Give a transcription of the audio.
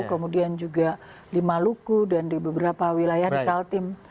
kemudian juga di maluku dan di beberapa wilayah di kaltim